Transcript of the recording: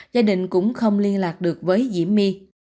gia đình cũng không liên lạc được với diễm my